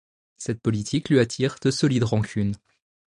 Cette politique lui attire de solides rancunes.